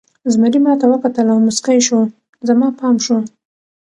زمري ما ته وکتل او موسکی شو، زما پام شو.